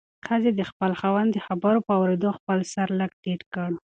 ښځې د خپل خاوند د خبرو په اورېدو خپل سر لږ ټیټ کړ.